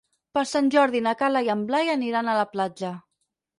Per Sant Jordi na Carla i en Blai aniran a la platja.